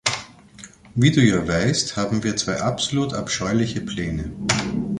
Wie du ja weißt, haben wir zwei absolut abscheuliche Pläne.